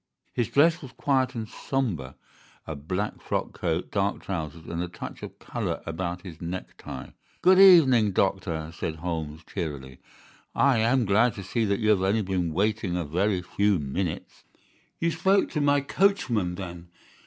His dress was quiet and sombre—a black frock coat, dark trousers, and a touch of colour about his necktie. "Good evening, doctor," said Holmes, cheerily. "I am glad to see that you have only been waiting a very few minutes." "You spoke to my coachman, then?"